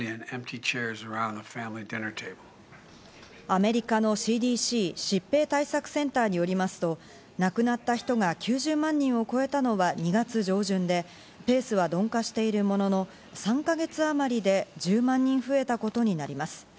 アメリカのＣＤＣ＝疾病対策センターによりますと、亡くなった人が９０万人を超えたのは２月上旬で、ペースは鈍化しているものの、３か月あまりで１０万人増えたことになります。